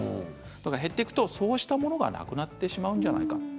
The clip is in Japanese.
減っていくと、そうしたものがなくなってしまうんじゃないか。